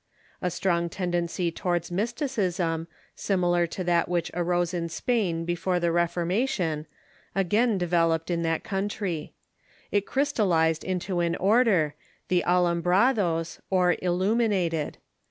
A strong tendency towards Mysticism, similar to that which arose in Spain before the Reformation, again developed in that country. It crystallized into an order, the Alambrados, or Illuminated.